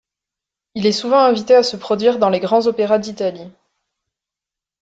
Il est souvent invité à se produire dans les grands opéras d'Italie.